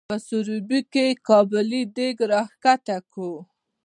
په سروبي کې قابلي دیګ راښکته کړو.